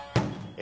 え